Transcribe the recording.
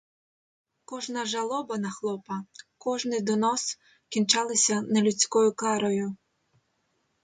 Кожна жалоба на хлопа, кожний донос кінчалися нелюдською карою.